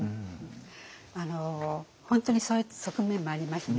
本当にそういった側面もありますね。